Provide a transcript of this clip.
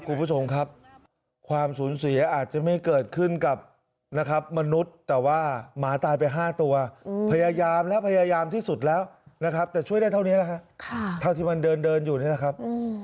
คือตรงนั้นมันเป็นแผงไฟที่ระเบิดก็น่าจะระวังจรอยู่นั่น